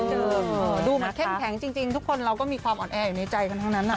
ดูเหมือนเข้มแข็งจริงทุกคนเราก็มีความอ่อนแออยู่ในใจกันทั้งนั้น